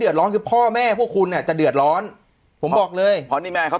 ร้อนคือพ่อแม่พวกคุณเนี่ยจะเดือดร้อนผมบอกเลยเพราะนี่แม่เขา